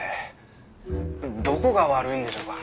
どこが悪いんでしょうか？